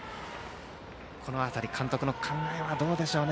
この辺り、監督の考えはどうでしょうかね。